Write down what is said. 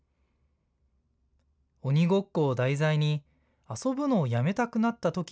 鬼ごっこを題材に遊ぶのをやめたくなったとき